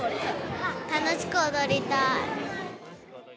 楽しく踊りたい。